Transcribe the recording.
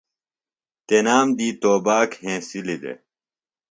تنام دی توباک ہنسِلیۡ دےۡ۔